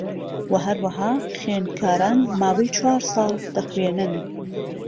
وە ھەروەھا خوێندکاران ماوەی چوارساڵ دەخوێنن